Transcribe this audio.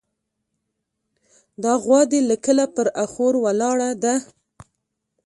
دا غوا دې له کله پر اخور ولاړه ده.